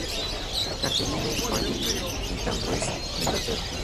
Catherine College, en Cambridge, Inglaterra.